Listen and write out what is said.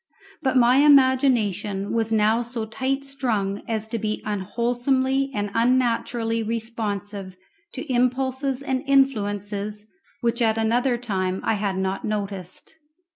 But my imagination was now so tight strung as to be unwholesomely and unnaturally responsive to impulses and influences which at another time I had not noticed.